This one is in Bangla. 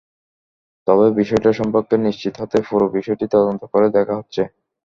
তবে বিষয়টা সম্পর্কে নিশ্চিত হতেই পুরো বিষয়টি তদন্ত করে দেখা হচ্ছে।